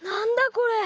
これ。